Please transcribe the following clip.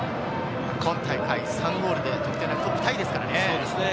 今大会３ゴールで得点ランクトップタイですからね。